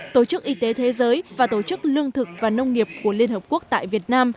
tổ chức y tế thế giới và tổ chức lương thực và nông nghiệp của liên hợp quốc tại việt nam